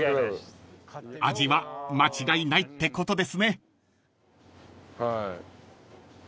［味は間違いないってことですね］